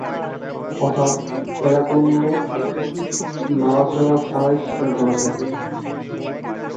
অর্থাৎ এরা কোন নাড়াচাড়া ছাড়াই শিকার ধরে থাকে।